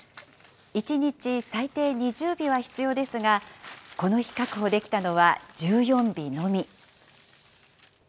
１日最低２０尾は必要ですが、この日、確保できたのは１４尾のみ。